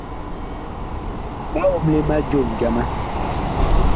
Ɓa omle ma jom jama.